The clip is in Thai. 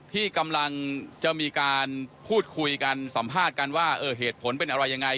ที่กำลังจะมีการพูดคุยกันสัมภาษณ์กันว่าเหตุผลเป็นอะไรยังไง